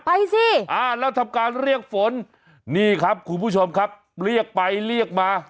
ไปสิอ่าแล้วทำการเรียกฝนนี่ครับคุณผู้ชมครับเรียกไปเรียกมา